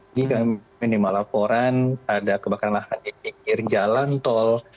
ini kami menerima laporan ada kebakaran lahan di pinggir jalan tol